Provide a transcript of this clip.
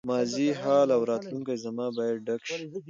ماضي، حال او راتلونکې زمانه باید ډک شي.